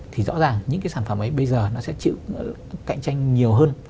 thì rõ ràng những cái sản phẩm ấy bây giờ nó sẽ chịu cạnh tranh nhiều hơn